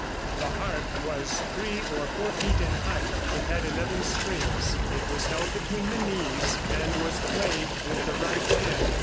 ] The harp was three or four feet in height. It had eleven strings. It was held between the knees, and was played with the right hand.